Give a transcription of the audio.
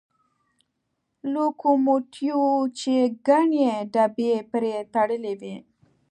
لوکوموتیو چې ګڼې ډبې پرې تړلې وې.